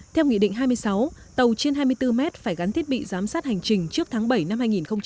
theo nghị định hai mươi sáu tàu trên hai mươi bốn mét phải gắn thiết bị giám sát hành trình trước tháng bảy năm hai nghìn hai mươi